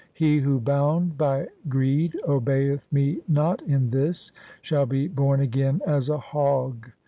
He who bound by greed obeyeth me not in this, shall be born again as a hog.